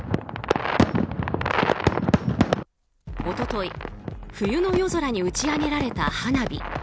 一昨日冬の夜空に打ち上げられた花火。